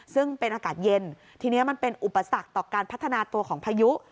ซึ่งเป็นอากาศเย็นทีนี้มันเป็นอุปสรรคต่อการพัฒนาตัวของพายุ